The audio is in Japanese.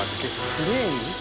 クレーン？